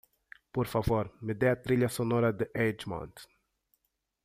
Por favor, me dê a trilha sonora de Edgemont.